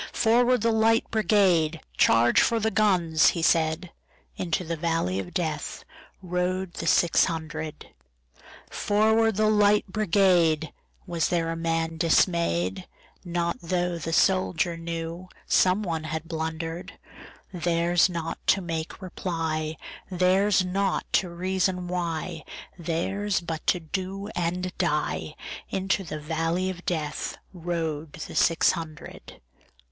"Forward, the Light Brigade! Charge for the guns!" he said:Into the valley of DeathRode the six hundred."Forward, the Light Brigade!"Was there a man dismay'd? Not tho' the soldier knewSome one had blunder'd:Theirs not to make reply, Theirs not to reason why, Theirs but to do and die:Into the valley of DeathRode the six hundred.